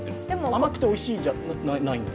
甘くておいしいんじゃないのか。